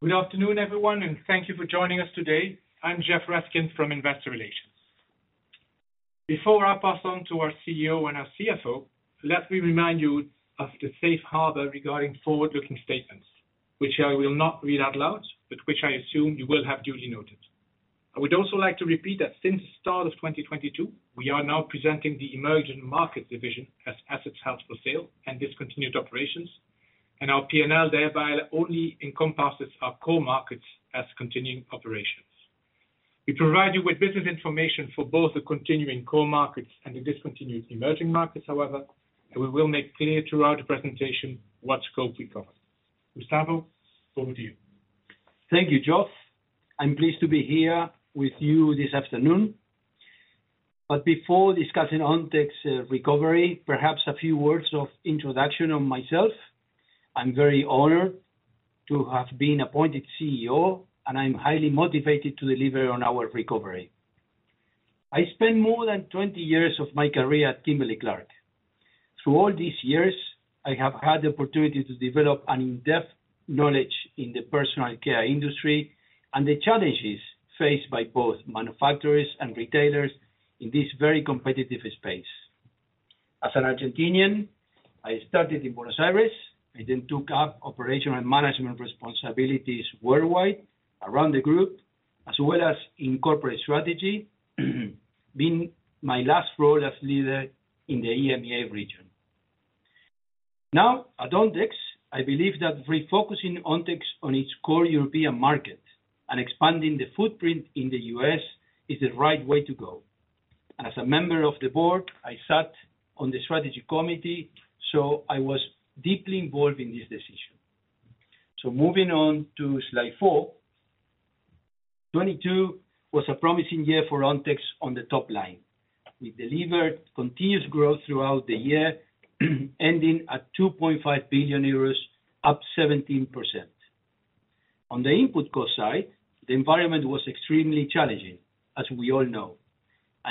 Good afternoon, everyone, thank you for joining us today. I'm Geoffroy Raskin from Investor Relations. Before I pass on to our CEO and our CFO, let me remind you of the safe harbor regarding forward-looking statements, which I will not read out loud, but which I assume you will have duly noted. I would also like to repeat that since the start of 2022, we are now presenting the Emerging Markets division as assets held for sale and discontinued operations, and our P&L thereby only encompasses our Core Markets as continuing operations. We provide you with business information for both the continuing Core Markets and the discontinued Emerging Markets, however, and we will make clear throughout the presentation what scope we cover. Gustavo, over to you. Thank you, Geoff. I'm pleased to be here with you this afternoon. Before discussing Ontex recovery, perhaps a few words of introduction on myself. I'm very honored to have been appointed CEO, and I'm highly motivated to deliver on our recovery. I spent more than 20 years of my career at Kimberly-Clark. Through all these years, I have had the opportunity to develop an in-depth knowledge in the personal care industry and the challenges faced by both manufacturers and retailers in this very competitive space. As an Argentinian, I started in Buenos Aires. I then took up operational management responsibilities worldwide around the group, as well as in corporate strategy, being my last role as leader in the EMEA region. Now at Ontex, I believe that refocusing Ontex on its core European market and expanding the footprint in the U.S. is the right way to go. As a member of the Board, I sat on the Strategy Committee, I was deeply involved in this decision. Moving on to slide four, 2022 was a promising year for Ontex on the top line. We delivered continuous growth throughout the year, ending at 2.5 billion euros, up 17%. On the input cost side, the environment was extremely challenging, as we all know.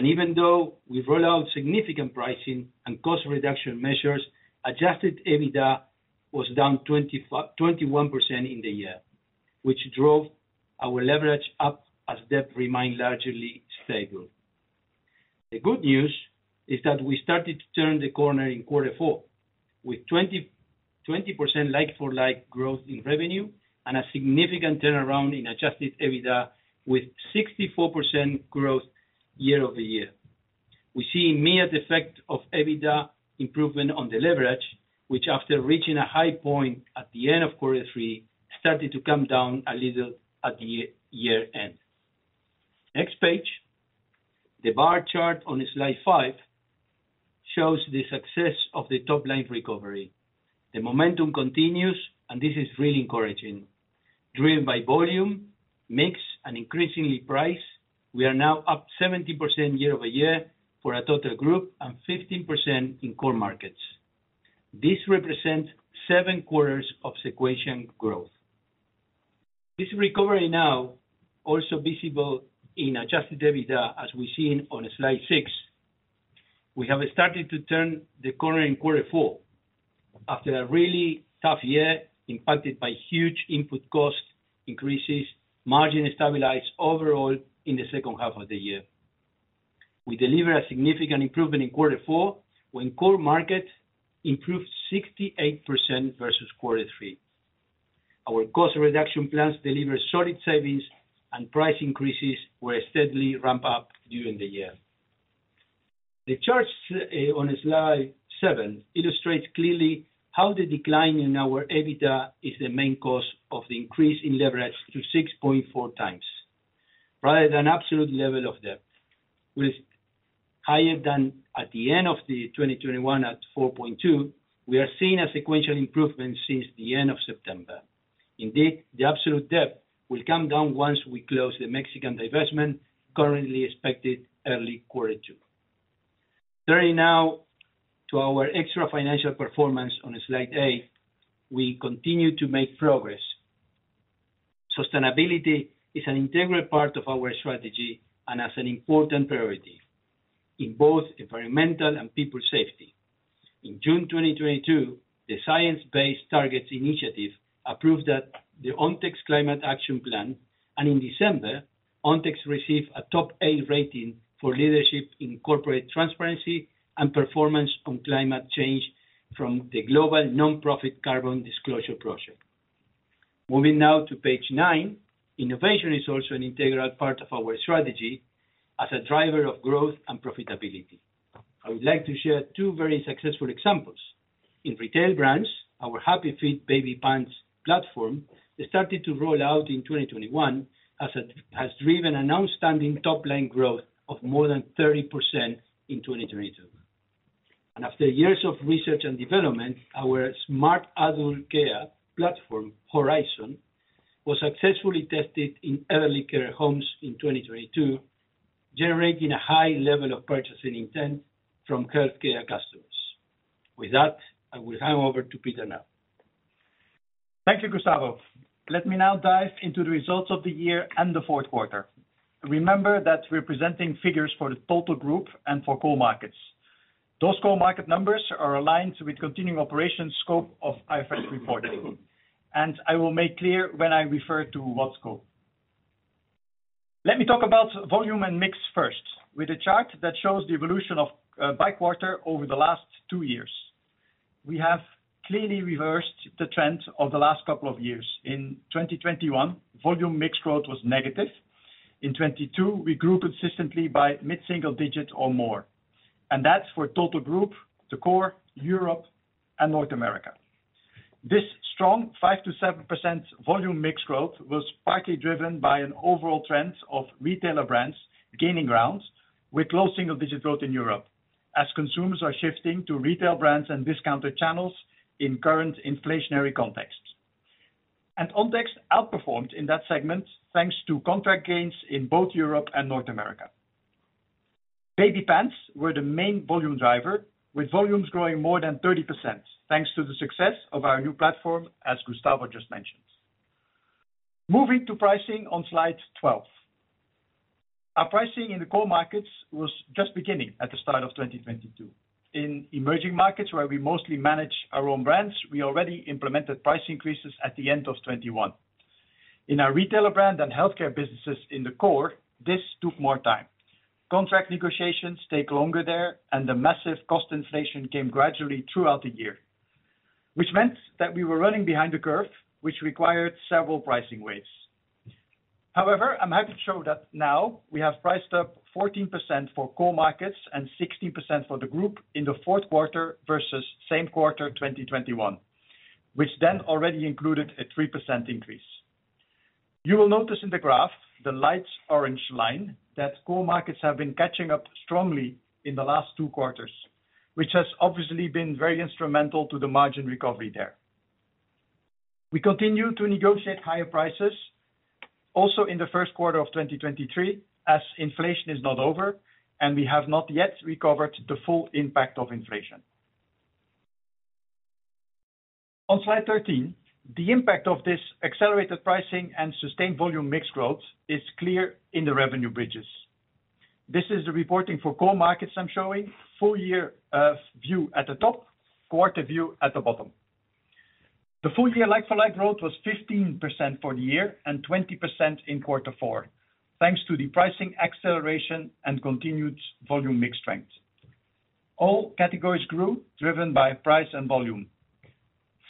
Even though we rolled out significant pricing and cost reduction measures, adjusted EBITDA was down 21% in the year, which drove our leverage up as debt remained largely stable. The good news is that we started to turn the corner in Q4, with 20% like-for-like growth in revenue and a significant turnaround in adjusted EBITDA with 64% growth year-over-year. We see immediate effect of EBITDA improvement on the leverage, which after reaching a high point at the end of Q3, started to come down a little at the year-end. Next page. The bar chart on slide five shows the success of the top line recovery. The momentum continues, and this is really encouraging. Driven by volume, mix, and increasingly price, we are now up 70% year-over-year for a total group and 15% in Core Markets. This represents seven quarters of sequential growth. This recovery now also visible in adjusted EBITDA, as we've seen on slide six. We have started to turn the corner in Q4. After a really tough year impacted by huge input cost increases, margin stabilized overall in the second half of the year. We delivered a significant improvement in Q4, when Core Market improved 68% versus Q3. Our cost reduction plans delivered solid savings and price increases were steadily ramped up during the year. The charts on slide seven illustrates clearly how the decline in our EBITDA is the main cause of the increase in leverage to 6.4x. Prior to an absolute level of debt with higher than at the end of the 2021 at 4.2x, we are seeing a sequential improvement since the end of September. Indeed, the absolute debt will come down once we close the Mexican divestment currently expected early Q2. Turning now to our extra-financial performance on slide eight, we continue to make progress. Sustainability is an integral part of our strategy and as an important priority in both environmental and people safety. In June 2022, the Science Based Targets initiative approved that the Ontex Climate Action Plan. In December, Ontex received a top A rating for leadership in corporate transparency and performance on climate change from the global nonprofit Carbon Disclosure Project. Moving now to page nine. Innovation is also an integral part of our strategy as a driver of growth and profitability. I would like to share two very successful examples. In retail brands, our HappyFit baby pants platform that started to roll out in 2021 has driven an outstanding top-line growth of more than 30% in 2022. After years of research and development, our smart adult care platform, Orizon, was successfully tested in elderly care homes in 2022, generating a high level of purchasing intent from healthcare customers. With that, I will hand over to Peter now. Thank you, Gustavo. Let me now dive into the results of the year and the fourth quarter. Remember that we're presenting figures for the total group and for Core Markets. Those Core Market numbers are aligned with continuing operations scope of IFRS reporting. I will make clear when I refer to what scope. Let me talk about volume and mix first, with a chart that shows the evolution by quarter over the last two years. We have clearly reversed the trend of the last couple of years. In 2021, volume mix growth was negative. In 2022, we grew consistently by mid-single digits or more. That's for total group, the Core, Europe, and North America. This strong 5%-7% volume mix growth was partly driven by an overall trend of retailer brands gaining grounds with low single-digit growth in Europe, as consumers are shifting to retail brands and discounter channels in current inflationary context. Ontex outperformed in that segment, thanks to contract gains in both Europe and North America. Baby pants were the main volume driver, with volumes growing more than 30%, thanks to the success of our new platform, as Gustavo just mentioned. Moving to pricing on slide 12. Our pricing in the Core Markets was just beginning at the start of 2022. In Emerging Markets, where we mostly manage our own brands, we already implemented price increases at the end of 2021. In our Retailer brand and Healthcare businesses in the Core, this took more time. Contract negotiations take longer there, and the massive cost inflation came gradually throughout the year. Which meant that we were running behind the curve, which required several pricing waves. However, I'm happy to show that now we have priced up 14% for Core Markets and 16% for the group in the fourth quarter versus same quarter in 2021, which then already included a 3% increase. You will notice in the graph, the light orange line, that Core Markets have been catching up strongly in the last two quarters, which has obviously been very instrumental to the margin recovery there. We continue to negotiate higher prices also in the first quarter of 2023 as inflation is not over, and we have not yet recovered the full impact of inflation. On slide 13, the impact of this accelerated pricing and sustained volume mix growth is clear in the revenue bridges. This is the reporting for Core Markets I'm showing. Full year view at the top, quarter view at the bottom. The full year like-for-like growth was 15% for the year and 20% in quarter four, thanks to the pricing acceleration and continued volume mix strength. All categories grew, driven by price and volume.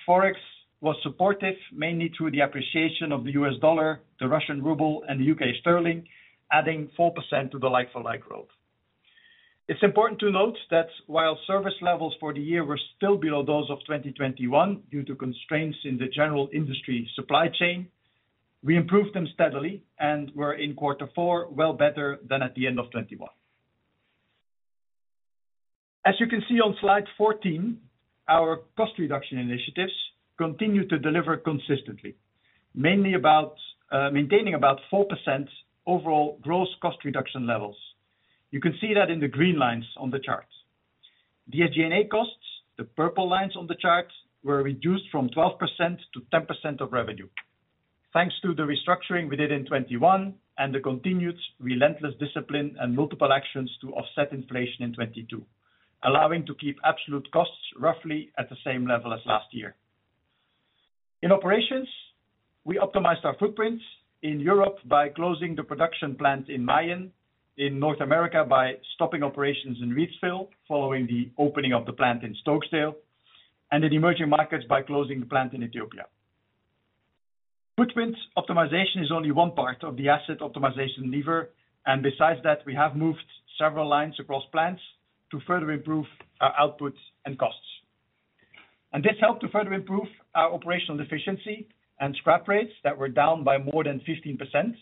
Forex was supportive, mainly through the appreciation of the U.S. dollar, the Russian ruble, and the U.K. sterling, adding 4% to the like-for-like growth. It's important to note that while service levels for the year were still below those of 2021 due to constraints in the general industry supply chain, we improved them steadily and were in quarter four, well better than at the end of 2021. As you can see on slide 14, our cost reduction initiatives continue to deliver consistently, mainly about maintaining about 4% overall gross cost reduction levels. You can see that in the green lines on the charts. The SG&A costs, the purple lines on the charts, were reduced from 12% to 10% of revenue. Thanks to the restructuring we did in 2021 and the continued relentless discipline and multiple actions to offset inflation in 2022, allowing to keep absolute costs roughly at the same level as last year. In operations, we optimized our footprints in Europe by closing the production plant in Mayen, in North America by stopping operations in Reidsville, following the opening of the plant in Stokesdale, and in Emerging Markets by closing the plant in Ethiopia. Footprint optimization is only one part of the asset optimization lever, and besides that, we have moved several lines across plants to further improve our outputs and costs. This helped to further improve our operational efficiency and scrap rates that were down by more than 15%.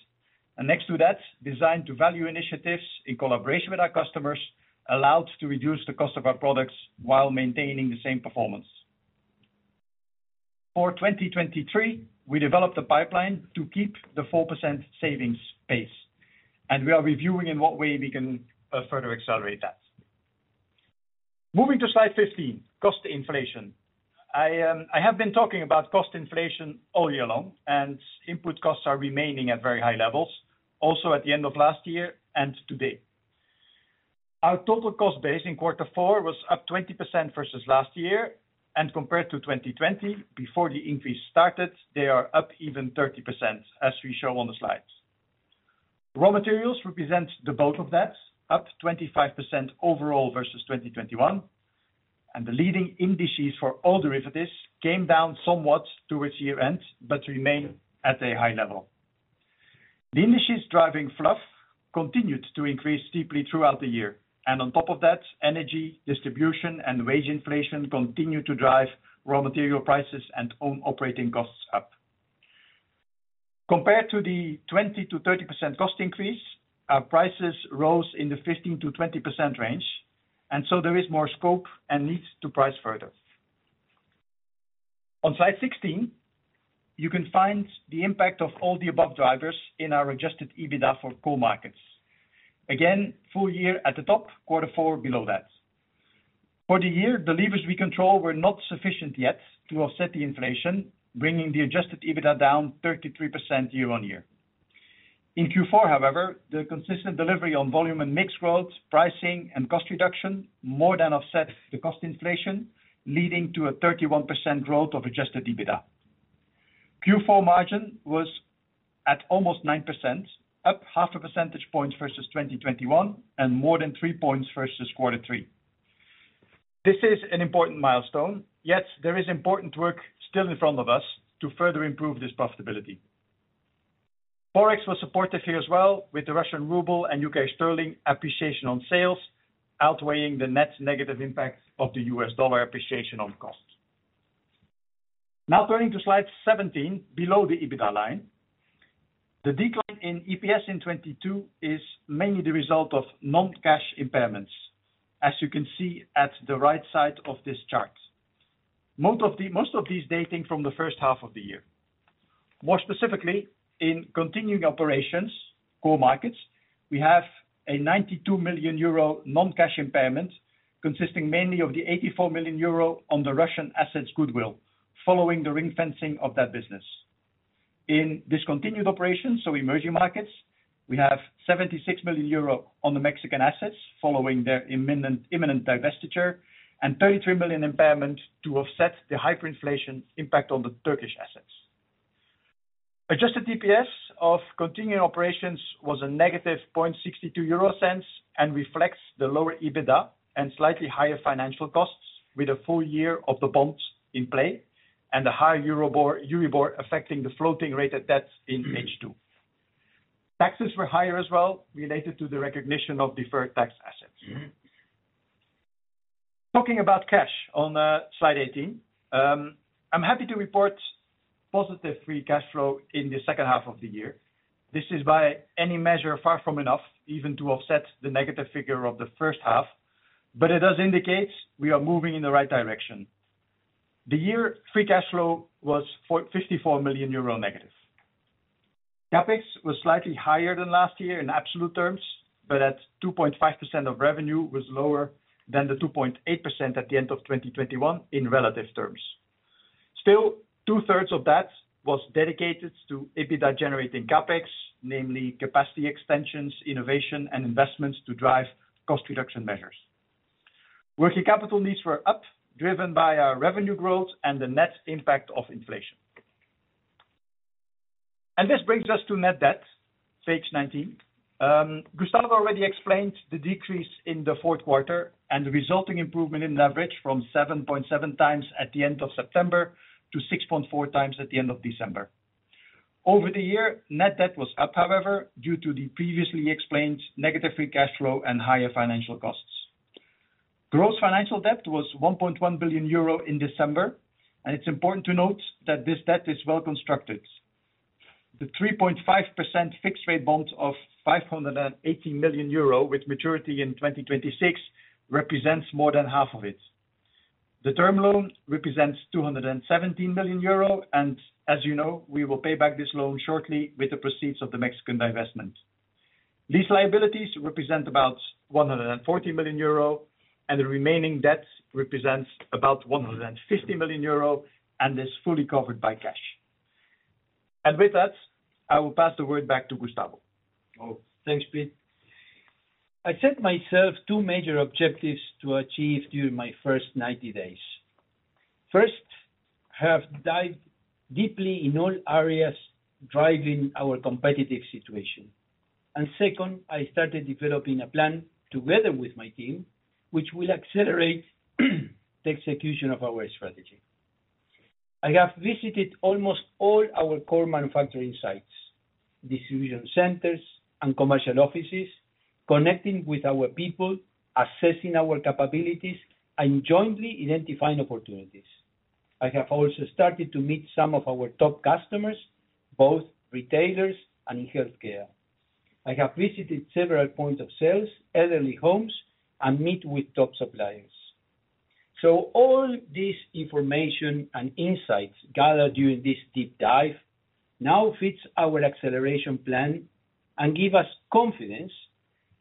Next to that, design-to-value initiatives in collaboration with our customers allowed to reduce the cost of our products while maintaining the same performance. For 2023, we developed a pipeline to keep the 4% savings pace, and we are reviewing in what way we can further accelerate that. Moving to slide 15, cost inflation. I have been talking about cost inflation all year long, and input costs are remaining at very high levels, also at the end of last year and today. Our total cost base in Q4 was up 20% versus last year, and compared to 2020, before the increase started, they are up even 30%, as we show on the slides. Raw materials represent the bulk of that, up 25% overall versus 2021, and the leading indices for all derivatives came down somewhat towards the year-end, but remain at a high level. The indices driving fluff continued to increase steeply throughout the year. On top of that, energy, distribution, and wage inflation continued to drive raw material prices and own operating costs up. Compared to the 20%-30% cost increase, our prices rose in the 15%-20% range. There is more scope and needs to price further. On slide 16, you can find the impact of all the above drivers in our adjusted EBITDA for Core Markets. Again, full year at the top, quarter four below that. For the year, the levers we control were not sufficient yet to offset the inflation, bringing the adjusted EBITDA down 33% year-on-year. In Q4, however, the consistent delivery on volume and mix growth, pricing, and cost reduction more than offset the cost inflation, leading to a 31% growth of adjusted EBITDA. Q4 margin was at almost 9%, up 0.5 percentage point versus 2021, and more than 3 points versus Q3. This is an important milestone, yet there is important work still in front of us to further improve this profitability. Forex was supportive here as well with the Russian ruble and U.K. sterling appreciation on sales outweighing the net negative impact of the U.S. dollar appreciation on costs. Now turning to slide 17, below the EBITDA line. The decline in EPS in 2022 is mainly the result of non-cash impairments, as you can see at the right side of this chart. Most of these dating from the first half of the year. More specifically, in continuing operations, Core Markets, we have a 92 million euro non-cash impairment, consisting mainly of the 84 million euro on the Russian assets goodwill, following the ring-fencing of that business. In Discontinued operations, Emerging Markets, we have 76 million euro on the Mexican assets following their imminent divestiture and 33 million impairment to offset the hyperinflation impact on the Turkish assets. Adjusted EPS of continuing operations was a -0.62 and reflects the lower EBITDA and slightly higher financial costs with a full year of the bonds in play and the higher Euribor affecting the floating rate debts in H2. Taxes were higher as well related to the recognition of deferred tax assets. Talking about cash on slide 18. I'm happy to report positive free cash flow in the second half of the year. This is by any measure far from enough even to offset the negative figure of the first half. It does indicate we are moving in the right direction. The year free cash flow was for -54 million euro. CapEx was slightly higher than last year in absolute terms. At 2.5% of revenue was lower than the 2.8% at the end of 2021 in relative terms. Still, 2/3 of that was dedicated to EBITDA generating CapEx, namely capacity extensions, innovation, and investments to drive cost reduction measures. Working capital needs were up, driven by our revenue growth and the net impact of inflation. This brings us to net debt, page 19. Gustavo already explained the decrease in the fourth quarter and the resulting improvement in leverage from 7.7x at the end of September to 6.4x at the end of December. Over the year, net debt was up, however, due to the previously explained negative free cash flow and higher financial costs. Gross financial debt was 1.1 billion euro in December, and it's important to note that this debt is well constructed. The 3.5% fixed rate bonds of 580 million euro with maturity in 2026 represents more than half of it. The term loan represents 217 million euro and as you know, we will pay back this loan shortly with the proceeds of the Mexican divestment. Lease liabilities represent about 140 million euro, the remaining debt represents about 150 million euro and is fully covered by cash. With that, I will pass the word back to Gustavo. Oh, thanks, Pete. I set myself two major objectives to achieve during my first 90 days. First, have dived deeply in all areas driving our competitive situation. Second, I started developing a plan together with my team, which will accelerate the execution of our strategy. I have visited almost all our core manufacturing sites, distribution centers and commercial offices, connecting with our people, assessing our capabilities and jointly identifying opportunities. I have also started to meet some of our top customers, both retailers and in healthcare. I have visited several points of sales, elderly homes, and meet with top suppliers. All this information and insights gathered during this deep dive now fits our acceleration plan and give us confidence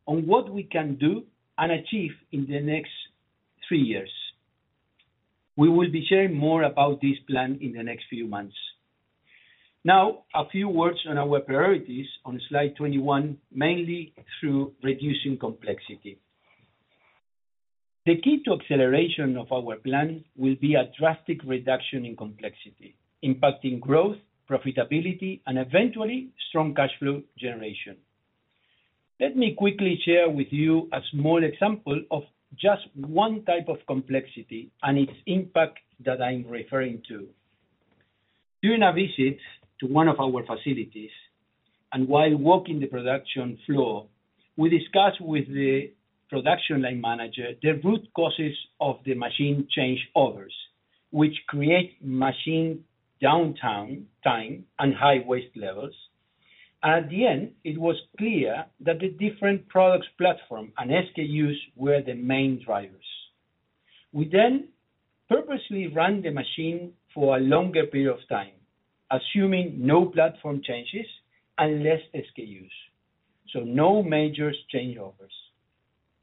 on what we can do and achieve in the next three years. We will be sharing more about this plan in the next few months. Now, a few words on our priorities on slide 21, mainly through reducing complexity. The key to acceleration of our plan will be a drastic reduction in complexity, impacting growth, profitability and eventually strong cash flow generation. Let me quickly share with you a small example of just one type of complexity and its impact that I'm referring to. During a visit to one of our facilities and while walking the production floor, we discussed with the production line manager the root causes of the machine changeovers, which create machine downtime and high waste levels. At the end, it was clear that the different products platform and SKUs were the main drivers. We purposely ran the machine for a longer period of time, assuming no platform changes and less SKUs, so no major changeovers.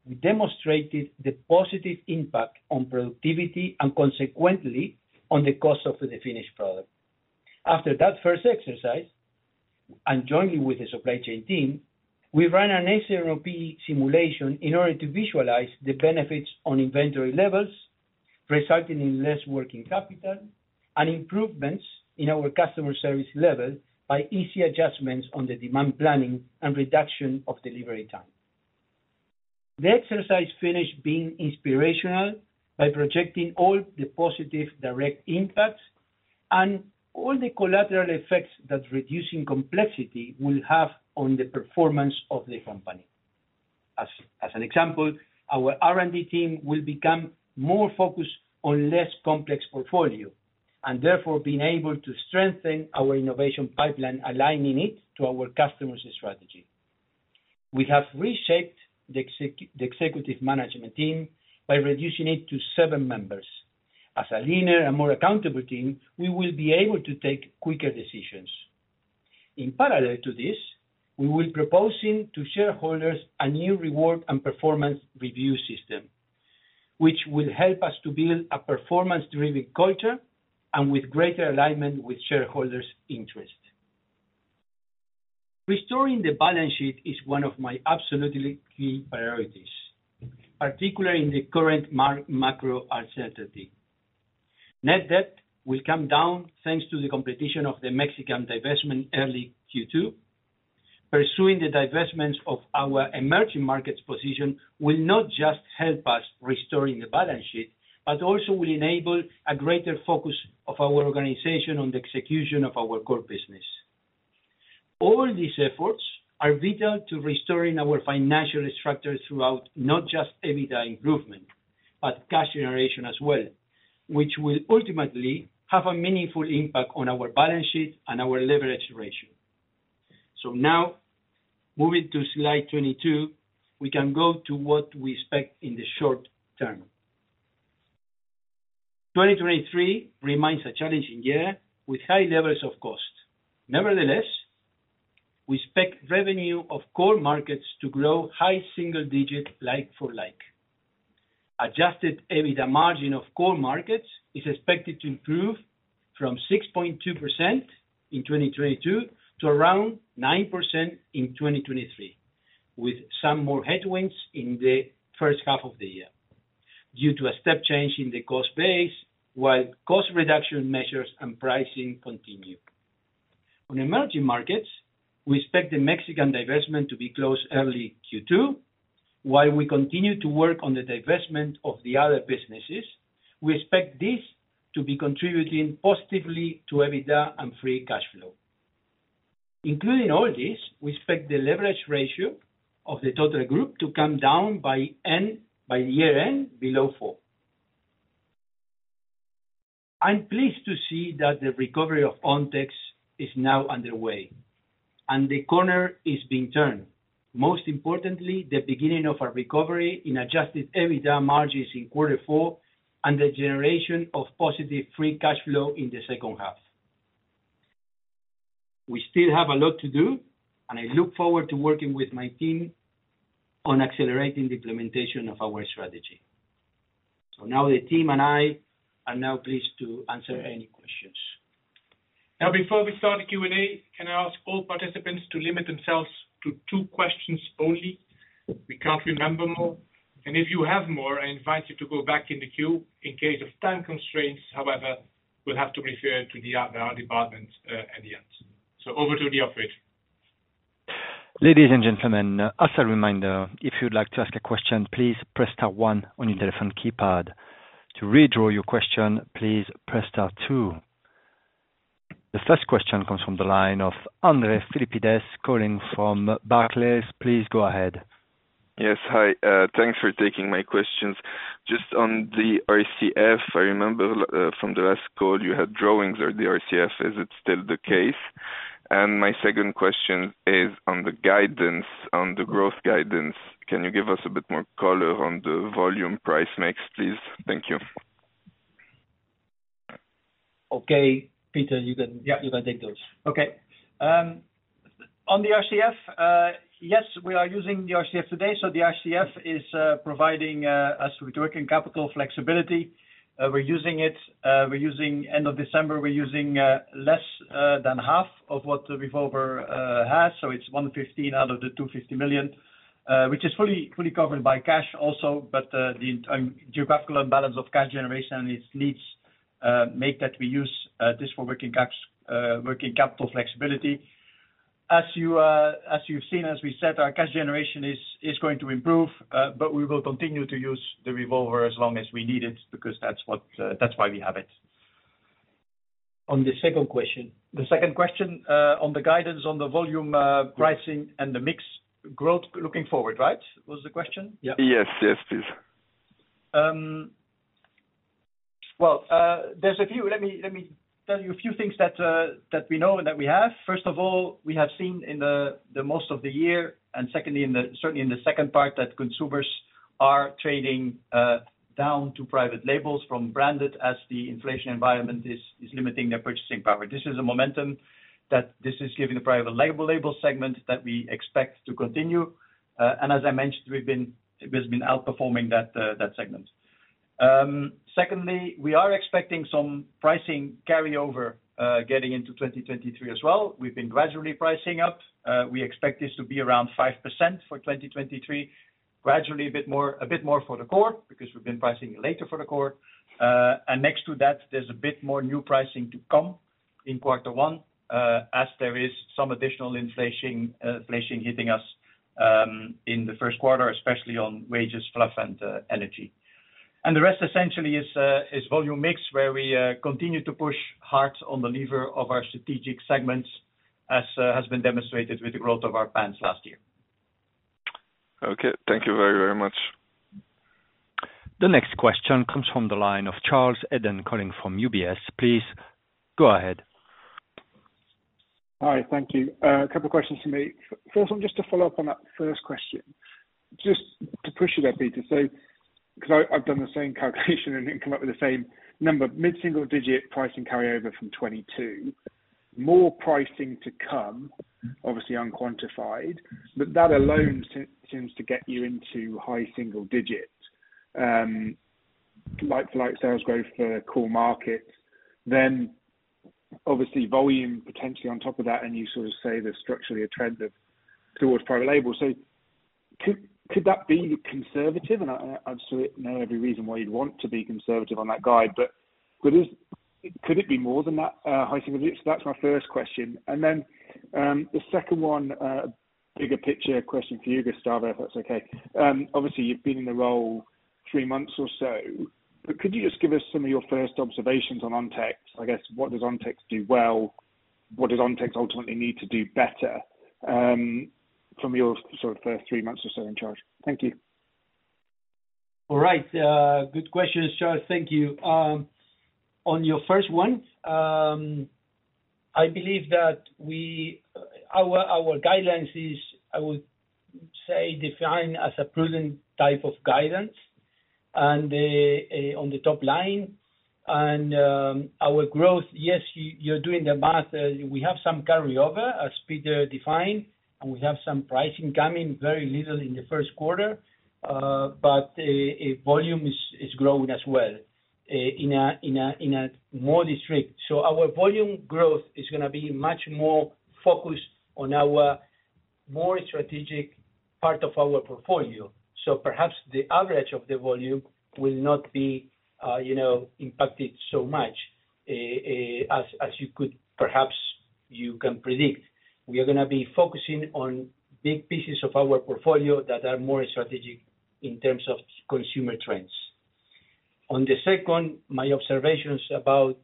We demonstrated the positive impact on productivity and consequently on the cost of the finished product. After that first exercise and joining with the supply chain team, we ran an S&OP simulation in order to visualize the benefits on inventory levels, resulting in less working capital and improvements in our customer service level by easy adjustments on the demand planning and reduction of delivery time. The exercise finished being inspirational by projecting all the positive direct impacts and all the collateral effects that reducing complexity will have on the performance of the company. As an example, our R&D team will become more focused on less complex portfolio and therefore being able to strengthen our innovation pipeline, aligning it to our customers' strategy. We have reshaped the executive management team by reducing it to seven members. As a leaner and more accountable team, we will be able to take quicker decisions. In parallel to this, we will proposing to shareholders a new reward and performance review system, which will help us to build a performance-driven culture and with greater alignment with shareholders interest. Restoring the balance sheet is one of my absolutely key priorities, particularly in the current macro uncertainty. Net debt will come down, thanks to the completion of the Mexican divestment early Q2. Pursuing the divestment of our Emerging Markets position will not just help us restoring the balance sheet, but also will enable a greater focus of our organization on the execution of our core business. All these efforts are vital to restoring our financial structure throughout not just EBITDA improvement, but cash generation as well, which will ultimately have a meaningful impact on our balance sheet and our leverage ratio. Now moving to slide 22, we can go to what we expect in the short term. 2023 remains a challenging year with high levels of cost. Nevertheless, we expect revenue of Core Markets to grow high single digit like-for-like. Adjusted EBITDA margin of Core Markets is expected to improve from 6.2% in 2022 to around 9% in 2023, with some more headwinds in the first half of the year due to a step change in the cost base while cost reduction measures and pricing continue. On Emerging Markets, we expect the Mexican divestment to be closed early Q2 while we continue to work on the divestment of the other businesses. We expect this to be contributing positively to EBITDA and free cash flow. Including all this, we expect the leverage ratio of the total group to come down by the year-end below 4x. I'm pleased to see that the recovery of Ontex is now underway, and the corner is being turned. Most importantly, the beginning of a recovery in adjusted EBITDA margins in quarter four and the generation of positive free cash flow in the second half. We still have a lot to do, and I look forward to working with my team on accelerating the implementation of our strategy. The team and I are now pleased to answer any questions. Now, before we start the Q&A, can I ask all participants to limit themselves to two questions only? We can't handle more, and if you have more, I invite you to go back in the queue. In case of time constraints, however, we'll have to refer to the IR department at the end. Over to the operator. Ladies and gentlemen, as a reminder, if you'd like to ask a question, please press star one on your telephone keypad. To withdraw your question, please press star two. The first question comes from the line of Andre Philippides, calling from Barclays. Please go ahead. Yes. Hi. Thanks for taking my questions. Just on the RCF, I remember, from the last call you had drawings or the RCF, is it still the case? My second question is on the guidance, on the growth guidance. Can you give us a bit more color on the volume price mix, please? Thank you. Okay. Peter, yeah, you can take those. Okay. On the RCF, yes, we are using the RCF today. The RCF is providing us with working capital flexibility. We're using it. End of December, we're using less than half of what the revolver has. It's 115 million out of the 250 million, which is fully covered by cash also. The geographical imbalance of cash generation and its needs make that we use this for working capital flexibility. As you, as you've seen, as we said, our cash generation is going to improve, but we will continue to use the revolver as long as we need it, because that's what, that's why we have it. On the second question. The second question, on the guidance on the volume, pricing and the mix growth looking forward, right? Was the question, yeah. Yes. Yes, please. Well, there's a few. Let me tell you a few things that we know and that we have. First of all, we have seen in the most of the year, and secondly, certainly in the second part, that consumers are trading down to private labels from branded as the inflation environment is limiting their purchasing power. This is a momentum that this is giving the private label segment that we expect to continue. As I mentioned, we've been outperforming that segment. Secondly, we are expecting some pricing carryover, getting into 2023 as well. We've been gradually pricing up. We expect this to be around 5% for 2023, gradually a bit more for the core because we've been pricing later for the core. Next to that, there's a bit more new pricing to come in Q1, as there is some additional inflation hitting us in the first quarter, especially on wages, fluff, and energy. The rest essentially is volume mix, where we continue to push hard on the lever of our strategic segments as has been demonstrated with the growth of our plans last year. Okay. Thank you very, very much. The next question comes from the line of Charles Eden calling from UBS. Please go ahead. Hi, thank you. A couple of questions for me. First one, just to follow up on that first question, just to push you there, Peter. I've done the same calculation and then come up with the same number, mid-single digit pricing carryover from 2022. More pricing to come, obviously unquantified. That alone seems to get you into high single digits, like-for-like sales growth for Core Markets. Obviously volume potentially on top of that, and you sort of say there's structurally a trend of towards private label. Could that be conservative? I absolutely know every reason why you'd want to be conservative on that guide, could it be more than that high single digit? That's my first question. The second one, bigger picture question for you, Gustavo, if that's okay. Obviously you've been in the role three months or so, but could you just give us some of your first observations on Ontex? I guess, what does Ontex do well? What does Ontex ultimately need to do better, from your sort of first three months or so in charge? Thank you. All right. Good questions, Charles. Thank you. On your first one, I believe that Our guidelines is, I would say, defined as a prudent type of guidance on the top line. Our growth, yes, you're doing the math. We have some carryover as Peter defined, and we have some pricing coming very little in the first quarter. Volume is growing as well in a more discrete. Our volume growth is gonna be much more focused on our more strategic part of our portfolio. Perhaps the average of the volume will not be, you know, impacted so much as you could perhaps, you can predict. We are gonna be focusing on big pieces of our portfolio that are more strategic in terms of consumer trends. On the second, my observations about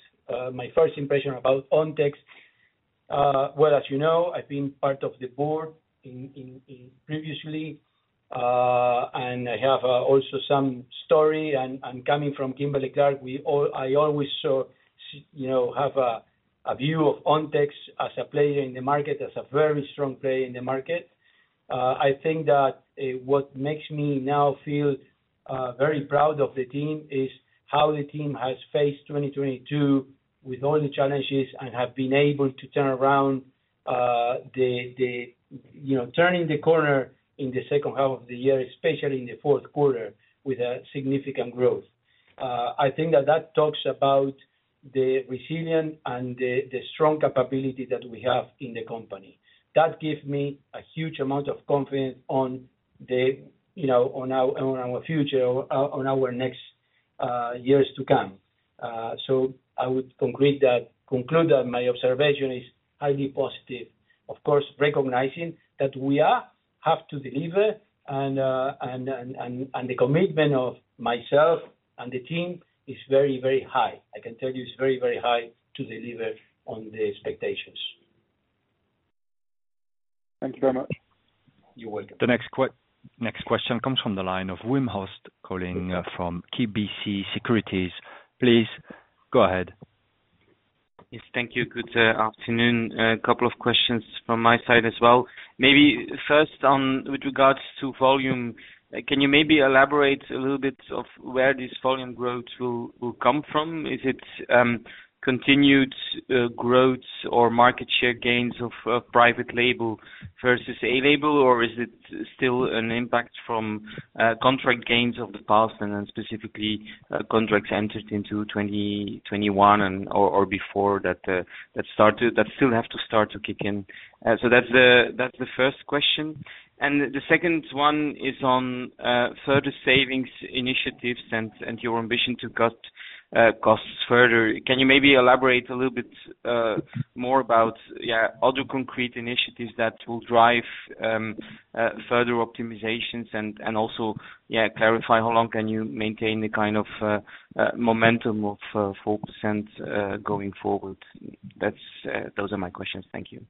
my first impression about Ontex, well, as you know, I've been part of the Board in previously. I have also some story, and I'm coming from Kimberly-Clark. I always saw, you know, have a view of Ontex as a player in the market, as a very strong player in the market. I think that what makes me now feel very proud of the team is how the team has faced 2022 with all the challenges and have been able to turn around. You know, turning the corner in the second half of the year, especially in the fourth quarter, with a significant growth. I think that talks about the resilience and the strong capability that we have in the company. That gives me a huge amount of confidence on the, you know, on our future, on our next years to come. I would conclude that my observation is highly positive. Of course, recognizing that we have to deliver and the commitment of myself and the team is very, very high. I can tell you it's very, very high to deliver on the expectations. Thank you very much. You're welcome. The next question comes from the line of Wim Hoste calling from KBC Securities. Please go ahead. Yes, thank you. Good afternoon. A couple of questions from my side as well. Maybe first on with regards to volume, can you maybe elaborate a little bit of where this volume growth will come from? Is it continued growth or market share gains of private label versus A label? Or is it still an impact from contract gains of the past and then specifically, contracts entered into 2021 and or before that still have to start to kick in? So that's the first question. The second one is on further savings initiatives and your ambition to cut costs further. Can you maybe elaborate a little bit more about, yeah, other concrete initiatives that will drive further optimizations? Also, yeah, clarify how long can you maintain the kind of momentum of 4% going forward? That's those are my questions. Thank you.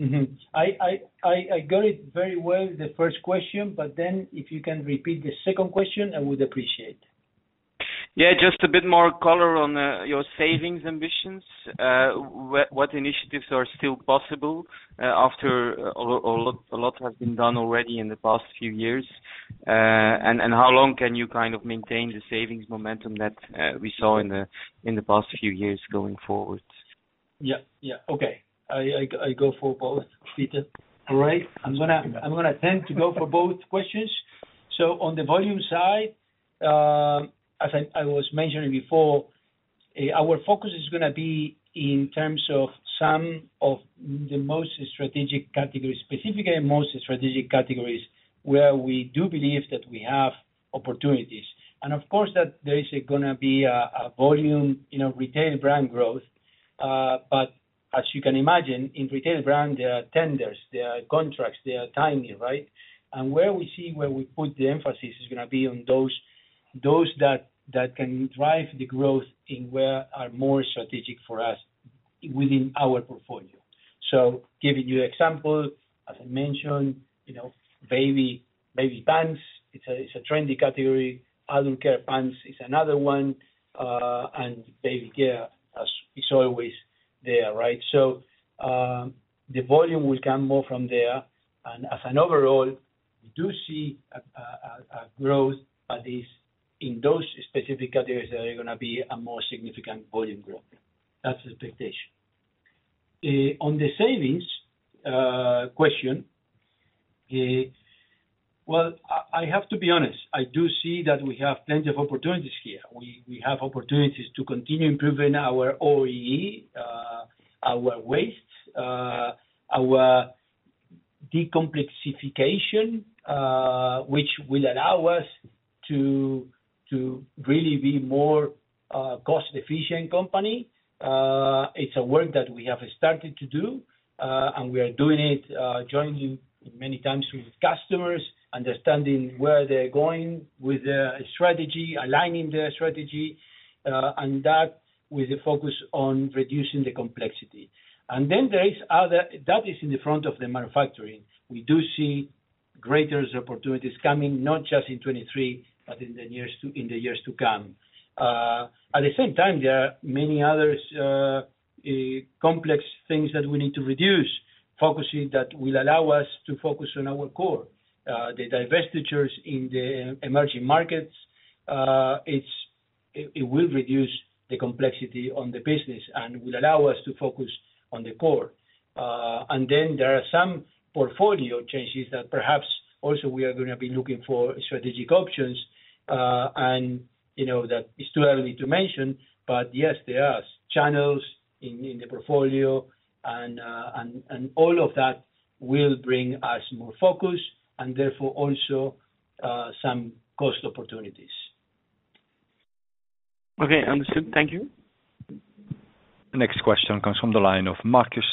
Mm-hmm. I got it very well, the first question. If you can repeat the second question, I would appreciate. Yeah, just a bit more color on your savings ambitions? What initiatives are still possible after a lot has been done already in the past few years? How long can you kind of maintain the savings momentum that we saw in the past few years going forward? Yeah, yeah. Okay. I go for both, Peter. Great. I'm gonna tend to go for both questions. On the volume side, as I was mentioning before, our focus is gonna be in terms of some of the most strategic categories, specifically most strategic categories, where we do believe that we have opportunities. Of course that there is gonna be a volume, you know, retail brand growth. As you can imagine, in retail brand, there are tenders, there are contracts, there are timing, right? Where we put the emphasis is gonna be on those that can drive the growth in where are more strategic for us within our portfolio. Giving you example, as I mentioned, you know, baby pants, it's a trendy category. Adult care pants is another one. Baby care as is always there, right? The volume will come more from there. As an overall, we do see a growth at least in those specific areas that are gonna be a more significant volume growth. That's the expectation. On the savings question, well, I have to be honest, I do see that we have plenty of opportunities here. We have opportunities to continue improving our OEE, our waste, our de-complexification, which will allow us to really be more cost efficient company. It's a work that we have started to do, and we are doing it, joining many times with customers, understanding where they're going with their strategy, aligning their strategy, and that with the focus on reducing the complexity. There is other. That is in the front of the manufacturing. We do see greater opportunities coming, not just in 2023, but in the years to come. At the same time, there are many others, complex things that we need to reduce, focusing that will allow us to focus on our core. The divestitures in the Emerging Markets, it will reduce the complexity on the business and will allow us to focus on the core. Then there are some portfolio changes that perhaps also we are gonna be looking for strategic options, and you know, that it's too early to mention. Yes, there are channels in the portfolio and all of that will bring us more focus and therefore also some cost opportunities. Yeah. Thank you. Next question from the line of Markus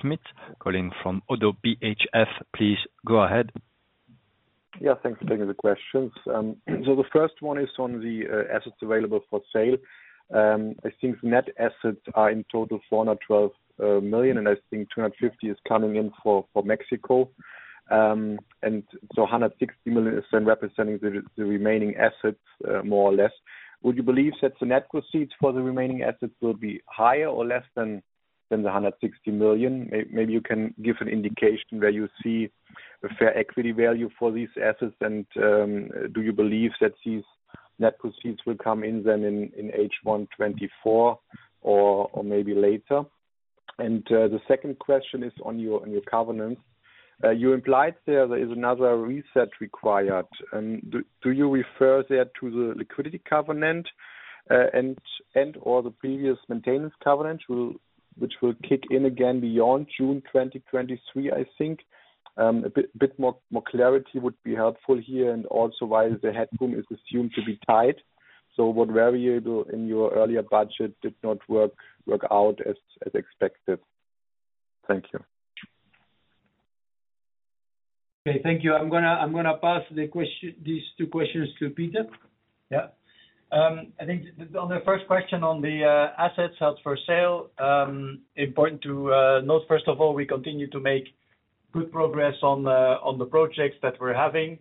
Schmitt calling from ODDO BHF. Please go ahread. Thanks for taking the questions. The first one is on the assets available for sale. I think net assets are in total 412 million, and I think 250 million is coming in for Mexico. So 160 million is then representing the remaining assets, more or less. Would you believe that the net proceeds for the remaining assets will be higher or less than 160 million? Maybe you can give an indication where you see a fair equity value for these assets. Do you believe that these net proceeds will come in then in H1 2024 or maybe later? The second question is on your covenants. You implied there is another reset required. Do you refer there to the liquidity covenant, and/or the previous maintenance covenant which will kick in again beyond June 2023, I think. A bit more clarity would be helpful here. Also, while the headroom is assumed to be tight, what variable in your earlier budget did not work out as expected? Thank you. Okay, thank you. I'm gonna pass these two questions to Peter. Yeah. I think on the first question on the assets held for sale, important to note, first of all, we continue to make good progress on the projects that we're having.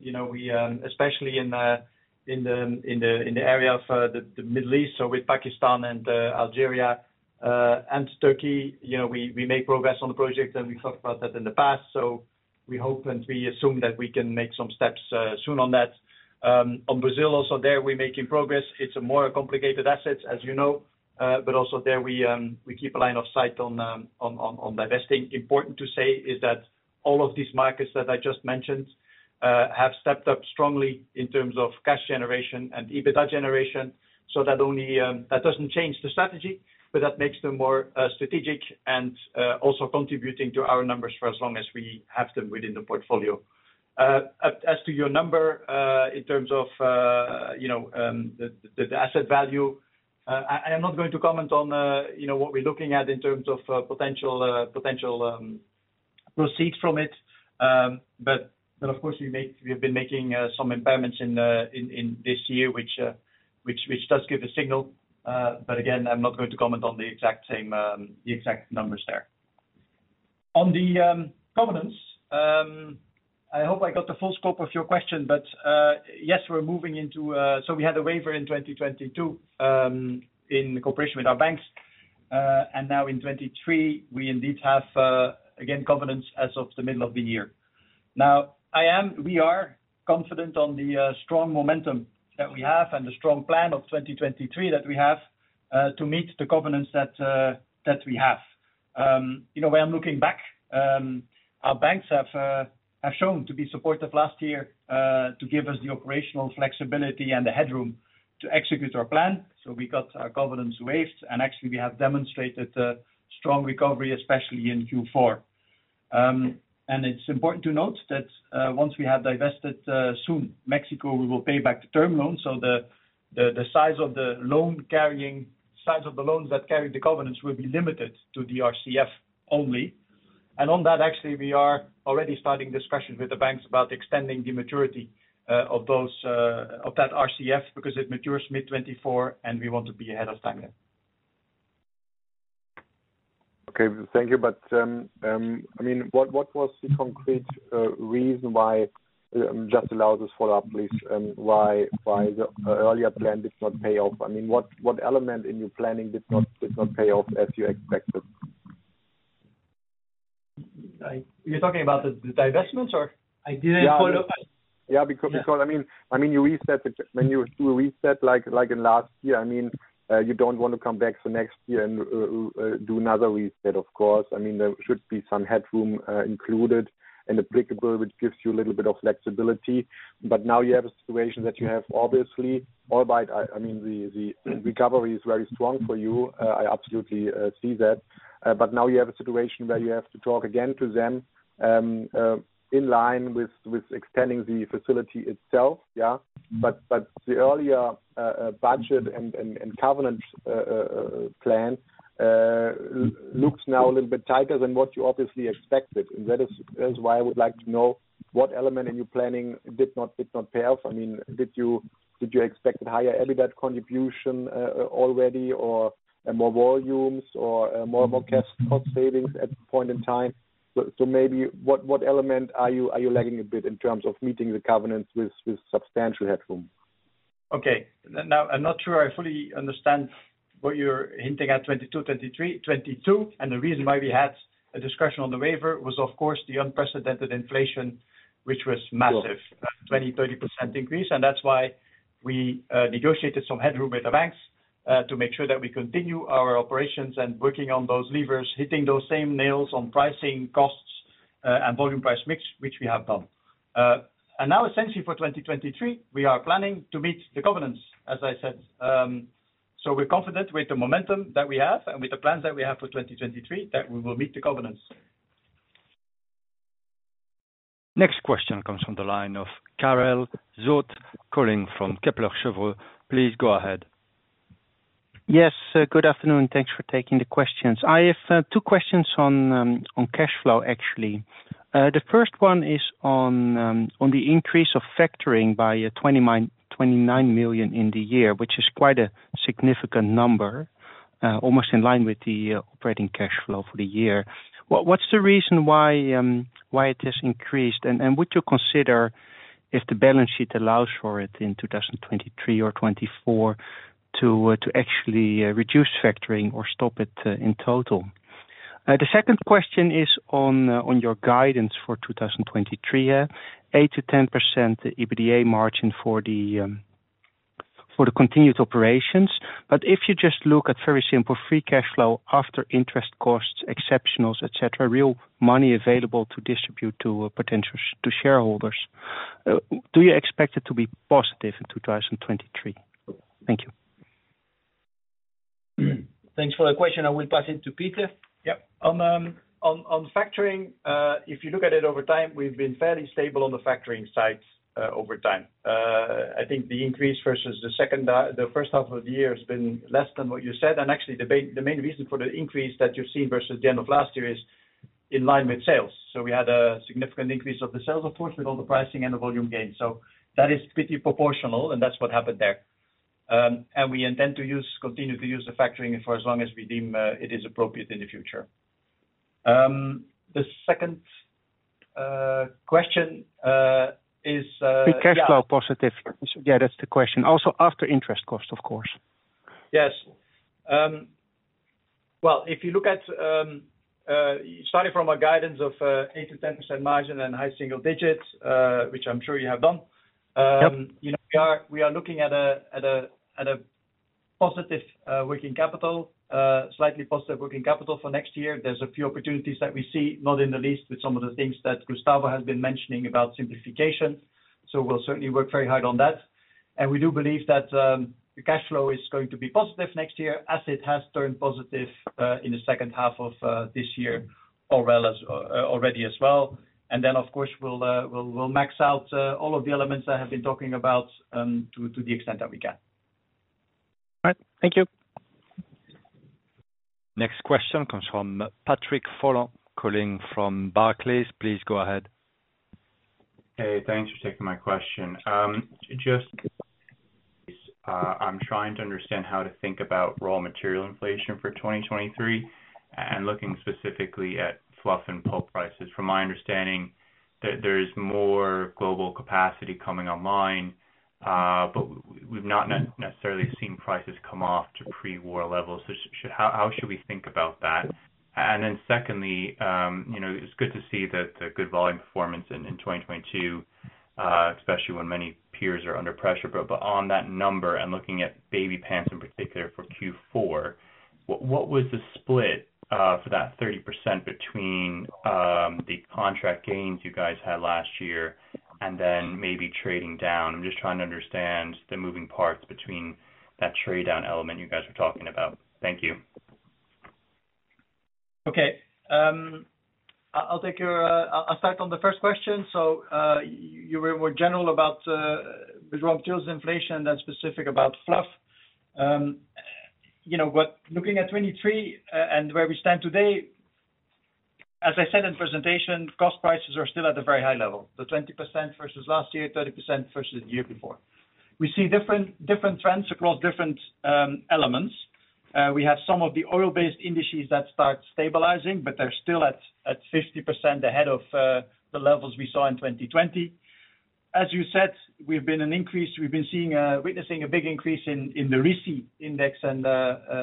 You know, we, especially in the area of the Middle East, so with Pakistan and Algeria and Turkey, you know, we make progress on the project and we've talked about that in the past. We hope and we assume that we can make some steps soon on that. On Brazil also, there we're making progress. It's a more complicated asset, as you know. But also there we keep a line of sight on divesting. Important to say is that all of these markets that I just mentioned, have stepped up strongly in terms of cash generation and EBITDA generation. That only, that doesn't change the strategy, but that makes them more strategic and also contributing to our numbers for as long as we have them within the portfolio. As to your number, in terms of, you know, the asset value, I am not going to comment on, you know, what we're looking at in terms of potential potential proceeds from it. Of course we have been making some impairments in this year, which does give a signal. Again, I'm not going to comment on the exact numbers there. On the covenants, I hope I got the full scope of your question, but yes, we're moving into. We had a waiver in 2022, in cooperation with our banks. Now in 2023, we indeed have again covenants as of the middle of the year. Now we are confident on the strong momentum that we have and the strong plan of 2023 that we have to meet the covenants that we have. You know, when I'm looking back, our banks have shown to be supportive last year, to give us the operational flexibility and the headroom to execute our plan. We got our covenants waived. Actually, we have demonstrated a strong recovery, especially in Q4. And it's important to note that once we have divested soon Mexico, we will pay back the term loan. The size of the loans that carry the covenants will be limited to the RCF only. On that, actually, we are already starting discussions with the banks about extending the maturity of those of that RCF because it matures mid-2024 and we want to be ahead of time there. Okay. Thank you. I mean, what was the concrete reason why? Just allow this follow-up, please. Why the earlier plan did not pay off? I mean, what element in your planning did not pay off as you expected? You're talking about the divestments or? I didn't follow. Yeah. Because I mean, you reset. When you reset like in last year, I mean, you don't want to come back for next year and do another reset, of course. I mean, there should be some headroom included and applicable, which gives you a little bit of flexibility. Now you have a situation that you have obviously, albeit, I mean, the recovery is very strong for you. I absolutely see that. Now you have a situation where you have to talk again to them in line with extending the facility itself, yeah. The earlier budget and covenant plan looks now a little bit tighter than what you obviously expected. That is why I would like to know what element in your planning did not pay off. I mean, did you expect a higher EBIT contribution already or more volumes or more and more cash cost savings at this point in time? Maybe what element are you lagging a bit in terms of meeting the covenants with substantial headroom? I'm not sure I fully understand what you're hinting at 2022, 2023. 2022, the reason why we had a discussion on the waiver was of course the unprecedented inflation, which was massive, 20%, 30% increase. That's why we negotiated some headroom with the banks to make sure that we continue our operations and working on those levers, hitting those same nails on pricing costs, and volume price mix, which we have done. Now essentially for 2023, we are planning to meet the covenants, as I said. We're confident with the momentum that we have and with the plans that we have for 2023, that we will meet the covenants. Next question comes from the line of Karel Zoete, calling from Kepler Cheuvreux. Please go ahead. Yes, good afternoon. Thanks for taking the questions. I have two questions on cash flow, actually. The first one is on the increase of factoring by 29 million in the year, which is quite a significant number, almost in line with the operating cash flow for the year. What's the reason why it has increased? Would you consider, if the balance sheet allows for it in 2023 or 2024, to actually reduce factoring or stop it in total? The second question is on your guidance for 2023. 8%-10% EBITDA margin for the continued operations. If you just look at very simple free cash flow after interest costs, exceptionals, et cetera, real money available to distribute to shareholders, do you expect it to be positive in 2023? Thank you. Thanks for the question. I will pass it to Peter. Yep. On factoring, if you look at it over time, we've been fairly stable on the factoring side, over time. I think the increase versus the first half of the year has been less than what you said. Actually, the main reason for the increase that you're seeing versus the end of last year is in line with sales. We had a significant increase of the sales, of course, with all the pricing and the volume gain. That is pretty proportional, and that's what happened there. We intend to use, continue to use the factoring for as long as we deem it is appropriate in the future. The second question is. Be cash flow positive. Yeah, that's the question. After interest cost, of course. Yes. Well, if you look at, starting from a guidance of, 8%-10% margin and high single digits, which I'm sure you have done. Yep. You know, we are looking at a positive working capital, slightly positive working capital for next year. There's a few opportunities that we see, not in the least, with some of the things that Gustavo has been mentioning about simplification. We'll certainly work very hard on that. We do believe that the cash flow is going to be positive next year, as it has turned positive in the second half of this year, or well as already as well. Of course, we'll max out all of the elements I have been talking about to the extent that we can. All right. Thank you. Next question comes from Patrick Folan, calling from Barclays. Please go ahead. Hey, thanks for taking my question. Just I'm trying to understand how to think about raw material inflation for 2023 and looking specifically at fluff and pulp prices. From my understanding, there is more global capacity coming online, but we've not necessarily seen prices come off to pre-war levels. How should we think about that? Secondly, you know, it's good to see that the good volume performance in 2022, especially when many peers are under pressure. On that number and looking at baby pants in particular for Q4, what was the split for that 30% between the contract gains you guys had last year and then maybe trading down? I'm just trying to understand the moving parts between that trade-down element you guys were talking about. Thank you. Okay. I'll take your, I'll start on the first question. You were more general about raw materials inflation than specific about fluff. You know, but looking at 2023, and where we stand today, as I said in presentation, cost prices are still at a very high level, so 20% versus last year, 30% versus the year before. We see different trends across different elements. We have some of the oil-based indices that start stabilizing, but they're still at 50% ahead of the levels we saw in 2020. As you said, we've been witnessing a big increase in Fastmarkets RISI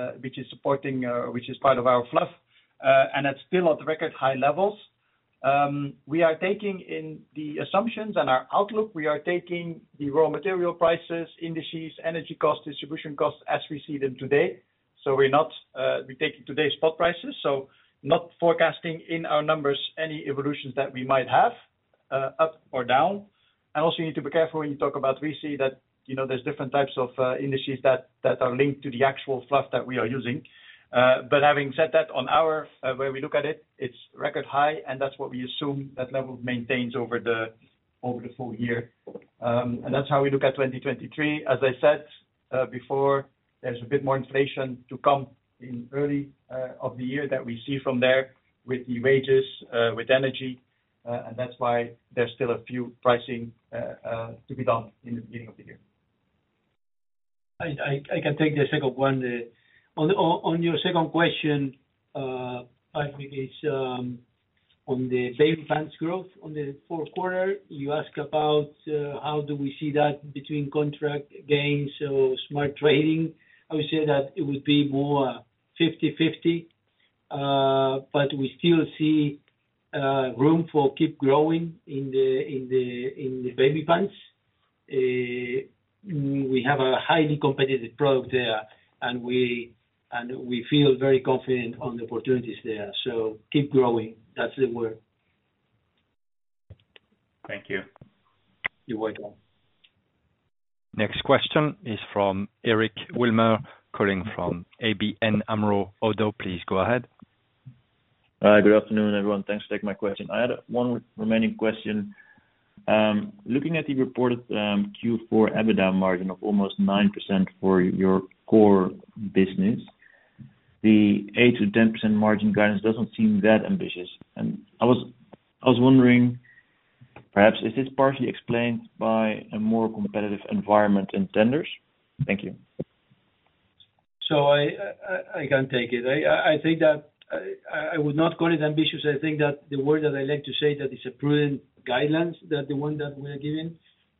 and, which is supporting, which is part of our fluff, and it's still at record high levels. We are taking in the assumptions. In our outlook, we are taking the raw material prices, indices, energy costs, distribution costs as we see them today. We're not, we're taking today's spot prices, so not forecasting in our numbers any evolutions that we might have, up or down. Also you need to be careful when you talk about RISI that, you know, there's different types of indices that are linked to the actual fluff that we are using. Having said that, on our, where we look at it's record high, and that's what we assume that level maintains over the, over the full year. That's how we look at 2023. As I said before, there's a bit more inflation to come in early of the year that we see from there with the wages, with energy. That's why there's still a few pricing to be done in the beginning of the year. I can take the second one. On your second question, I think it's on the baby pants growth on the fourth quarter, you ask about how do we see that between contract gains, so smart trading. I would say that it would be more 50/50. We still see room for keep growing in the baby pants. We have a highly competitive product there, and we feel very confident on the opportunities there. Keep growing, that's the word. Thank you. You're welcome. Next question is from Eric Wilmer, calling from ABN AMRO ODDO. Please go ahead. Good afternoon, everyone. Thanks for taking my question. I had one remaining question. Looking at the reported Q4 EBITDA margin of almost 9% for your core business, the 8%-10% margin guidance doesn't seem that ambitious. I was wondering perhaps is this partially explained by a more competitive environment in tenders? Thank you. I can take it. I think that I would not call it ambitious. I think that the word that I like to say that it's a prudent guidance, that the one that we are giving.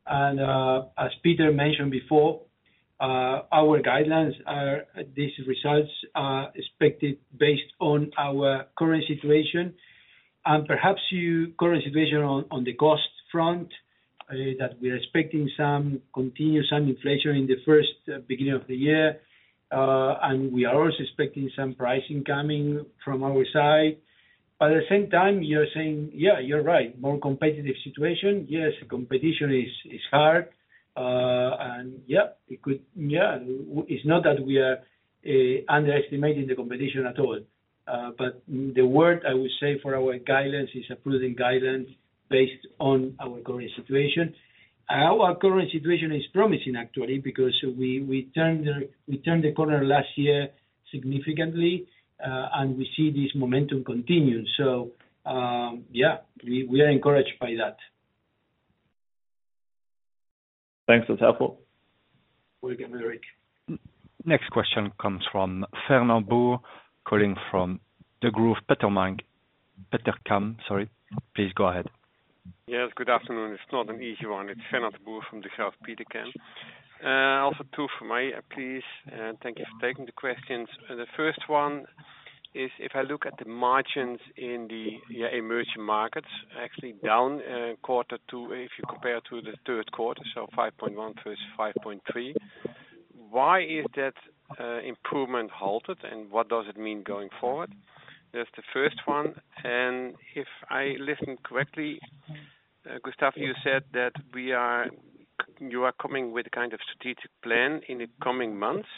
As Peter mentioned before, our guidelines are. These results are expected based on our current situation. Current situation on the cost front, that we are expecting some continuous underlying inflation in the first beginning of the year. We are also expecting some pricing coming from our side. At the same time, you're saying, yeah, you're right. More competitive situation. Yes, competition is hard. Yeah, it could. It's not that we are underestimating the competition at all. The word I would say for our guidance is a prudent guidance based on our current situation. Our current situation is promising actually because we turned the corner last year significantly, and we see this momentum continue. Yeah, we are encouraged by that. Thanks. That's helpful. Welcome, Eric. Next question comes from Fernand de Boer, calling from Degroof Petercam, sorry. Please go ahead. Yes, good afternoon. It's not an easy one. It's Fernand de Boer from Degroof Petercam. Also two from me, please, and thank you for taking the questions. The first one is if I look at the margins in the Emerging Markets, actually down Q2 if you compare to the third quarter, so 5.1% versus 5.3%. Why is that improvement halted? What does it mean going forward? That's the first one. If I listen correctly, Gustavo, you said that you are coming with a kind of strategic plan in the coming months.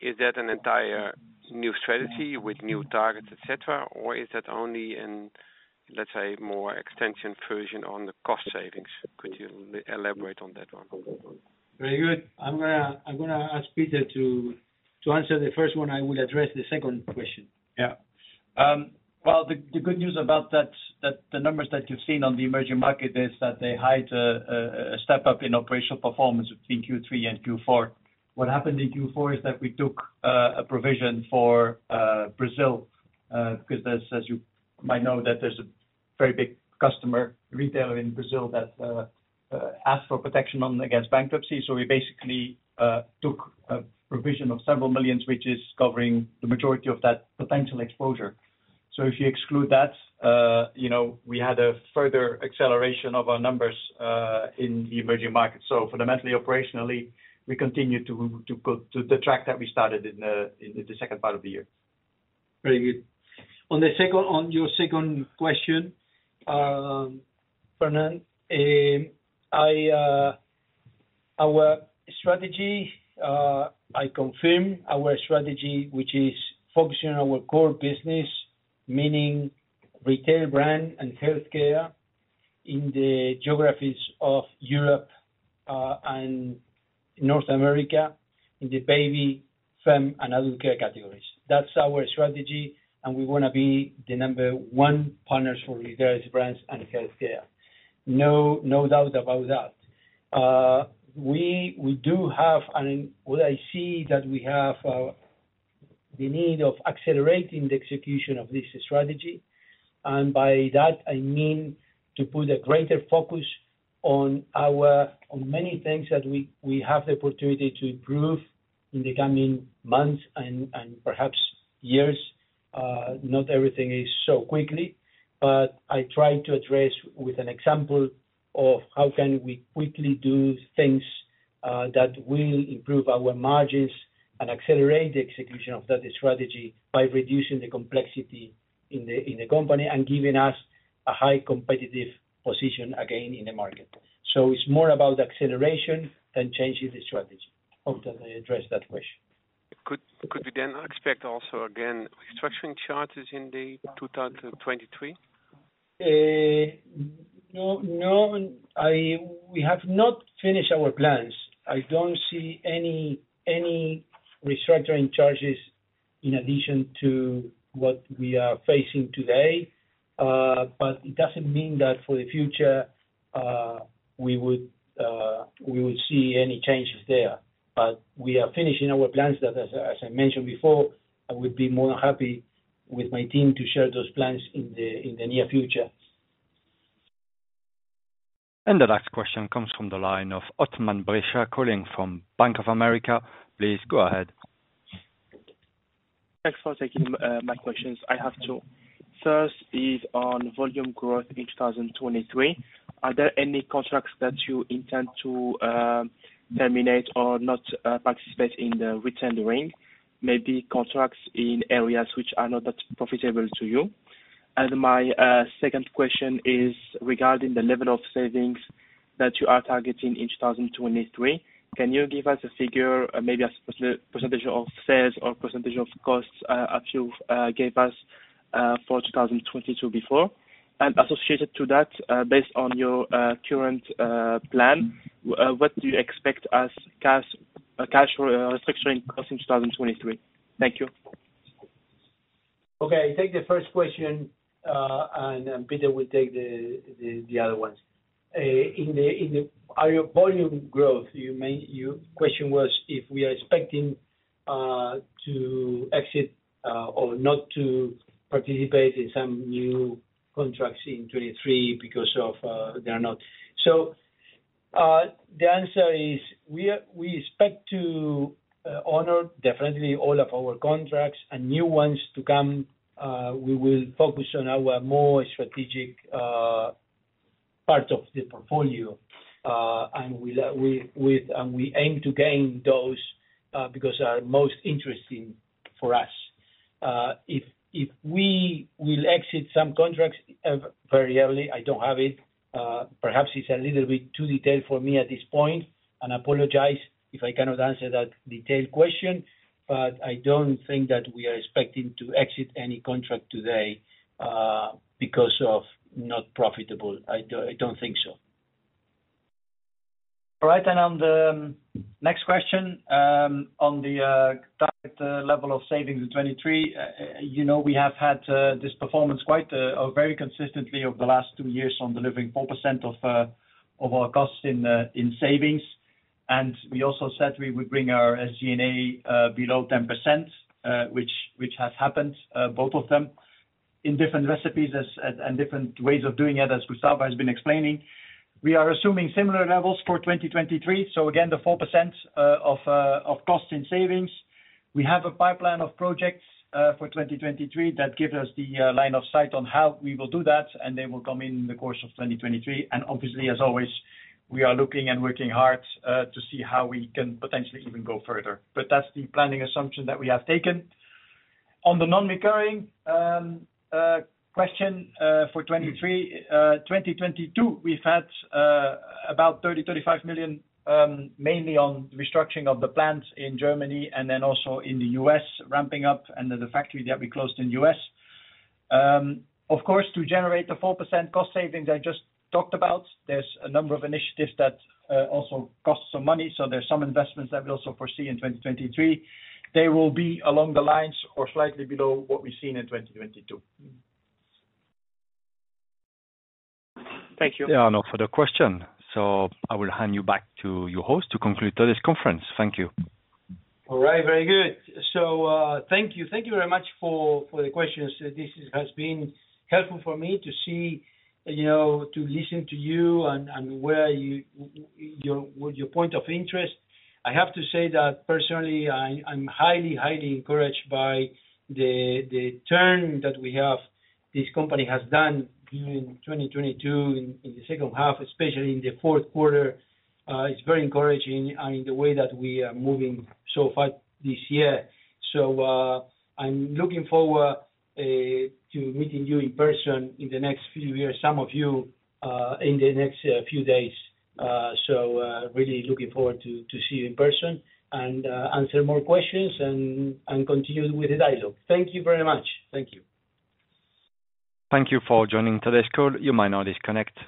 Is that an entire new strategy with new targets, et cetera? Is that only an more extension version on the cost savings? Could you elaborate on that one? Very good. I'm gonna ask Peter to answer the first one. I will address the second question. Yeah. Well, the good news about the numbers that you've seen on the Emerging Market is that they hide a step-up in operational performance between Q3 and Q4. What happened in Q4 is that we took a provision for Brazil, because as you might know that there's a very big customer retailer in Brazil that asked for protection on, against bankruptcy. We basically, took a provision of several millions, which is covering the majority of that potential exposure. If you exclude that, you know, we had a further acceleration of our numbers in the Emerging Market. Fundamentally, operationally, we continue to go to the track that we started in the second part of the year. Very good. On the second, on your second question, Fernand, I confirm our strategy, which is focusing on our core business, meaning retail brand and healthcare in the geographies of Europe and North America in the baby, fem, and other care categories. That's our strategy, and we wanna be the number one partners for retail brands and healthcare. No doubt about that. We do have. What I see that we have the need of accelerating the execution of this strategy. By that I mean to put a greater focus on many things that we have the opportunity to improve in the coming months and perhaps years. Not everything is solved quickly, but I try to address with an example of how can we quickly do things that will improve our margins and accelerate the execution of that strategy by reducing the complexity in the company and giving us a high competitive position again in the market. It's more about acceleration than changing the strategy. Hope that I addressed that question. Could we then expect also again restructuring charges in 2023? No, no. We have not finished our plans. I don't see any restructuring charges in addition to what we are facing today. It doesn't mean that for the future, we would see any changes there. We are finishing our plans that as I mentioned before, I would be more than happy with my team to share those plans in the near future. The next question comes from the line of Othmane Bricha calling from Bank of America. Please go ahead. Thanks for taking my questions. I have two. First is on volume growth in 2023. Are there any contracts that you intend to terminate or not participate in the re-tendering? Maybe contracts in areas which are not that profitable to you. My second question is regarding the level of savings that you are targeting in 2023. Can you give us a figure, maybe a percentage of sales or percentage of costs, as you gave us for 2022 before? Associated to that, based on your current plan, what do you expect as cash structuring costs in 2023? Thank you. Okay. I take the first question, and then Peter will take the other ones. Our volume growth. Your question was if we are expecting to exit or not to participate in some new contracts in 2023 because of they are not. The answer is we expect to honor definitely all of our contracts and new ones to come. We will focus on our more strategic parts of the portfolio. We aim to gain those because are most interesting for us. If we will exit some contracts very early, I don't have it. Perhaps it's a little bit too detailed for me at this point. I apologize if I cannot answer that detailed question. I don't think that we are expecting to exit any contract today, because of not profitable. I don't think so. All right. On the next question, on the target level of savings in 2023, you know, we have had this performance quite very consistently over the last two years on delivering 4% of our costs in savings. We also said we would bring our SG&A below 10%, which has happened, both of them in different recipes and different ways of doing it, as Gustavo has been explaining. We are assuming similar levels for 2023. Again, the 4% of cost in savings. We have a pipeline of projects for 2023 that gives us the line of sight on how we will do that, and they will come in the course of 2023. Obviously, as always, we are looking and working hard to see how we can potentially even go further. That's the planning assumption that we have taken. On the non-recurring question for 2023. 2022, we've had about 30 million-35 million, mainly on restructuring of the plants in Germany and then also in the U.S. ramping up and the factory that we closed in U.S. Of course, to generate the 4% cost savings I just talked about, there's a number of initiatives that also cost some money. There's some investments that we also foresee in 2023. They will be along the lines or slightly below what we've seen in 2022. Thank you. There are no further question. I will hand you back to your host to conclude today's conference. Thank you. All right. Very good. Thank you. Thank you very much for the questions. This has been helpful for me to see, you know, to listen to you and where your point of interest. I have to say that personally, I'm highly encouraged by the turn that this company has done during 2022 in the second half, especially in the fourth quarter. It's very encouraging in the way that we are moving so far this year. I'm looking forward to meeting you in person in the next few years, some of you, in the next few days. Really looking forward to see you in person and answer more questions and continue with the dialogue. Thank you very much. Thank you. Thank you for joining today's call. You may now disconnect.